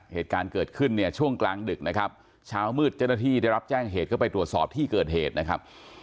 เหตุการณ์เกิดขึ้นเนี่ยช่วงกลางดึกนะครับเช้ามืดเจ้าหน้าที่ได้รับแจ้งเหตุก็ไปตรวจสอบที่เกิดเหตุนะครับ